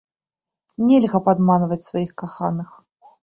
Нельга падманваць сваіх каханых!